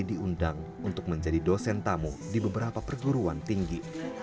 diundang untuk menjadi dosen tamu di beberapa perguruan tinggi